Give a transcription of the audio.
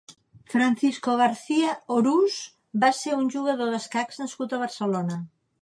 Francisco García Orús va ser un jugador d'escacs nascut a Barcelona.